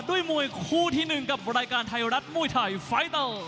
ด้วยมวยคู่ที่๑กับรายการไทยรัฐมวยไทยไฟเตอร์